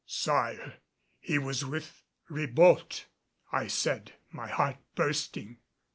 "Sire, he was with Ribault," I said, my heart bursting.